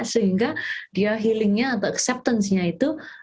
sehingga dia healingnya atau acceptance nya itu